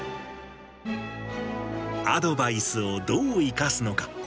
アドバイスをどう生かすのか。